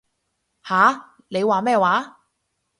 吓？你話咩話？